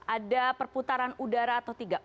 ada perputaran udara atau tidak